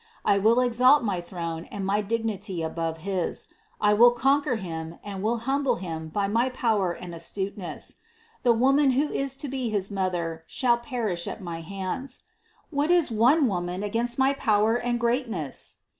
I will exalt my throne and my dignity above his; I will conquer Him and will humble Him by my power and astuteness. The Woman who is to be his Mother shall perish at my hands. What is one Woman against my power and greatness?